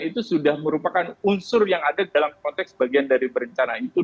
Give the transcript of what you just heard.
itu sudah merupakan unsur yang ada dalam konteks bagian dari berencana itu